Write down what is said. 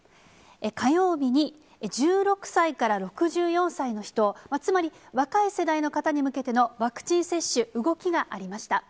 火曜日に、１６歳から６４歳の人、つまり、若い世代の方に向けてのワクチン接種、動きがありました。